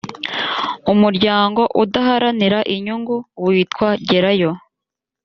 umuryango udaharanira inyungu witwa gerayo